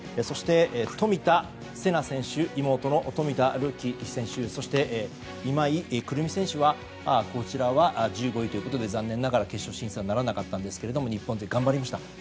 そして、冨田せな選手妹の冨田るき選手そして今井胡桃選手は１５位ということで残念ながら決勝進出はならなかったんですが日本勢、頑張りました。